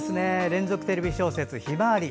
連続テレビ小説「ひまわり」